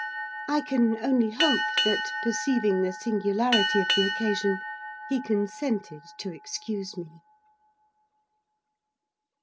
I can only hope that, perceiving the singularity of the occasion, he consented to excuse me.